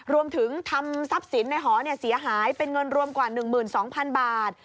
รวมถึงทำทรัพย์สินในหอเสียหายเป็นเงินรวมกว่า๑๒๐๐๐บาท